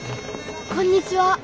こんにちは。